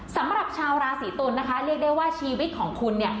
สำหรับชาวราศีตุลนะคะเรียกได้ว่าชีวิตของคุณเนี่ย